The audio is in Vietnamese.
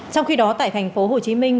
trong khi đó tại thành phố hồ chí minh